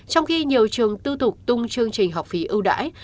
trong khi nhiều trường tư thục tung chương trình học phí ưu đãi